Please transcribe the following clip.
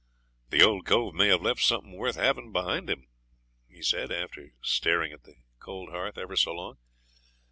'The old cove may have left something worth having behind him,' he said, after staring at the cold hearth ever so long.